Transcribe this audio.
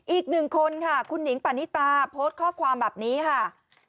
อีกหนึ่งคนค่ะคุณหนิงปานิตาโพสต์ข้อความแบบนี้ค่ะ